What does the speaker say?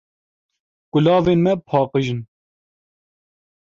Kulavên me paqij in.